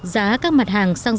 giá các mặt hàng xăng dầu giảm nhẹ